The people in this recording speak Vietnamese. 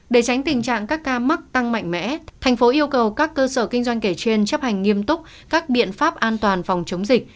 để tránh tình trạng các ca mắc tăng mạnh mẽ thành phố yêu cầu các cơ sở kinh doanh kể chuyên chấp hành nghiêm túc các biện pháp an toàn phòng chống dịch